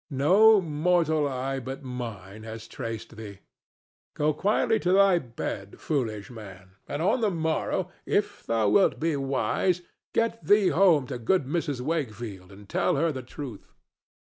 No mortal eye but mine has traced thee. Go quietly to thy bed, foolish man, and on the morrow, if thou wilt be wise, get thee home to good Mrs. Wakefield and tell her the truth.